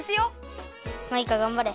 マイカがんばれ。